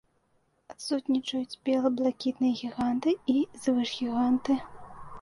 Адсутнічаюць бела-блакітныя гіганты і звышгіганты.